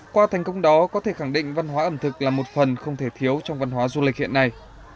qua thành công đó có thể khẳng định văn hóa ẩm thực là một phần không thể thiếu trong văn hóa du lịch hiện nay